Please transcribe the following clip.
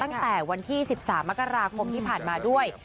ตั้งแต่วันที่๑๓มกราคมที่ผ่านมาด้วย